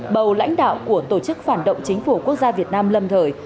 bầu lãnh đạo của tổ chức phản động chính phủ quốc gia việt nam lâm thời